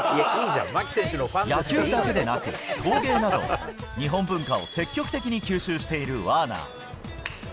野球だけでなく、陶芸など、日本文化を積極的に吸収しているワーナー。